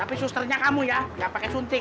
tapi susternya kamu ya nggak pakai suntik